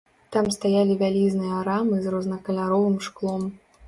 Там стаялі вялізныя рамы з рознакаляровым шклом.